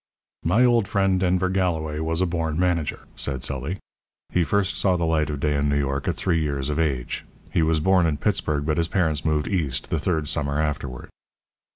"My old friend Denver Galloway was a born manager," said Sully. He first saw the light of day in New York at three years of age. He was born in Pittsburg, but his parents moved East the third summer afterward.